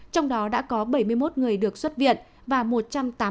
trong đó đã có bảy mươi một người được xuất viện và một trăm tám mươi bệnh nhân